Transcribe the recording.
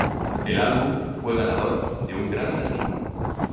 El álbum fue ganador de un Grammy Latino.